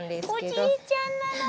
おじいちゃんなの。